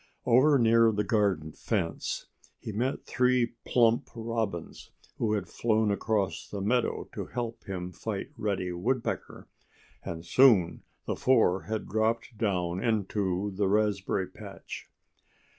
Over near the garden fence he met three plump Robins who had flown across the meadow to help him fight Reddy Woodpecker. And soon the four had dropped down into the raspberry patch.